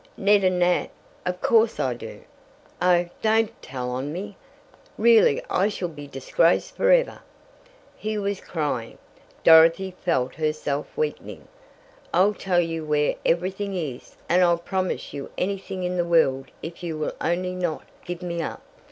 "Ned and Nat? Of course I do! Oh, don't tell on me! Really I shall be disgraced forever." He was crying. Dorothy felt herself weakening. "I'll tell you where everything is, and I'll promise you anything in the world if you will only not give me up.